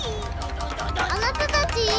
あなたたち！